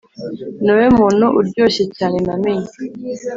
ni wowe muntu uryoshye cyane namenye